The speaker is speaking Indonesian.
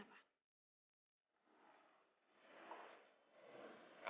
kamu dulu kamu mau pesan apa